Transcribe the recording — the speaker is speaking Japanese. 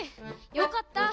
よかった。